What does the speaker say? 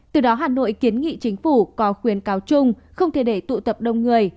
từ đó hà nội kiến nghị chính phủ có khuyến cáo chung không thể để tụ tập đông người